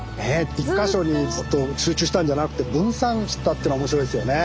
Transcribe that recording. １か所にずっと集中したんじゃなくて分散したっていうのが面白いですよね。